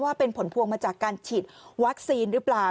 ว่าเป็นผลพวงมาจากการฉีดวัคซีนหรือเปล่า